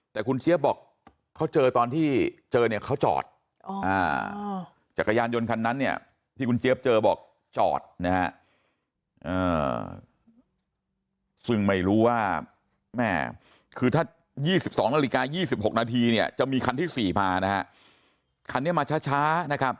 แต่คุณเชียบบอกเขาเจอตอนที่เจอเนี่ยเขาจอด